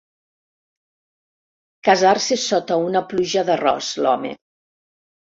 Casar-se sota una pluja d'arròs, l'home.